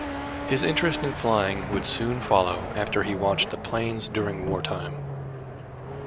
His interest in flying would soon follow after he watched the planes during wartime.